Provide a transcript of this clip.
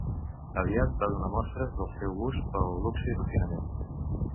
Aviat va donar mostres del seu gust pel luxe i refinament.